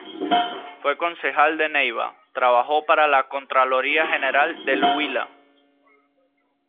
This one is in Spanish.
Fue Concejal de Neiva, trabajó para la Contraloría General del Huila.